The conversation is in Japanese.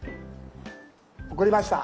送りました。